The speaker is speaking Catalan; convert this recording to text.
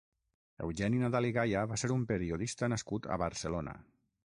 Eugeni Nadal i Gaya va ser un periodista nascut a Barcelona.